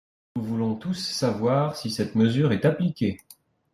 Nous voulons tous savoir si cette mesure est appliquée.